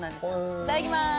いただきまーす！